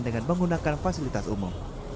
dengan menggunakan fasilitas umum